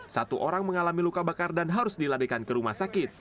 satu orang mengalami luka bakar dan harus dilarikan ke rumah sakit